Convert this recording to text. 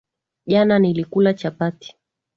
Jana nilikula chapati